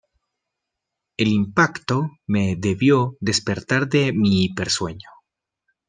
El impacto me debió despertar de mi hipersueño.